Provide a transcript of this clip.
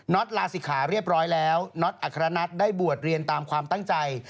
ลาศิกขาเรียบร้อยแล้วน็อตอัครนัทได้บวชเรียนตามความตั้งใจ